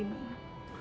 kamu jangan begitu